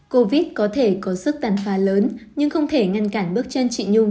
covid có thể có sức tàn phá lớn nhưng không thể ngăn cản bước chân chị nhung